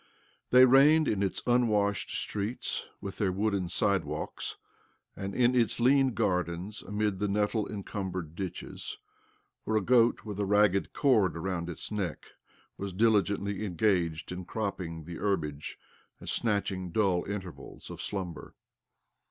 They reigned in its unwashed streets, with their wooden side walks, apd in its lean gardens amid the nettle encumbered ditches, where a goat with a ragged cord around its neck was diligently engaged in cropping the herbage and snatch ing dull intervals of slumber.